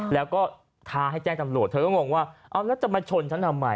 แล้วก็ท้าให้แจ้งตำรวจเธอก็งงว่าเอาแล้วจะมาชนฉันทำไม